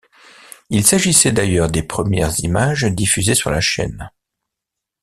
Il s'agissait d'ailleurs des premières images diffusées sur la chaîne.